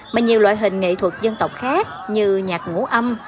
mà nhiều loại hình nghệ thuật dân tộc khác như nhạc ngũ âm